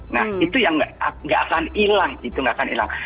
nah itu yang nggak akan hilang